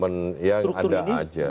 ya maksud saya struktur ini dibentuk